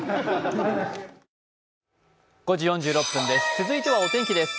続いてはお天気です。